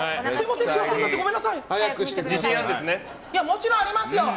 もちろん自信ありますよ！